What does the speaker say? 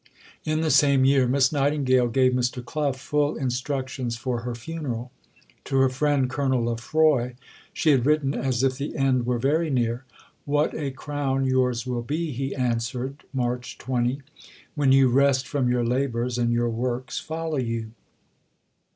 " In the same year Miss Nightingale gave Mr. Clough full instructions for her funeral. To her friend, Colonel Lefroy, she had written as if the end were very near. "What a crown yours will be," he answered (March 20), "when you rest from your labours and your works follow you!"